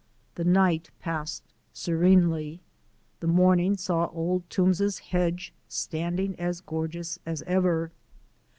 The night passed serenely; the morning saw Old Toombs's hedge standing as gorgeous as ever.